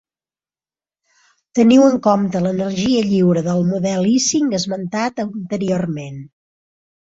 Teniu en compte l'energia lliure del model Ising esmentat anteriorment.